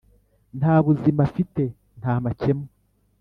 nta buzima afite nta makemwa.